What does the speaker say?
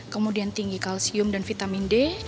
kemudian tinggi kalsium dan vitamin d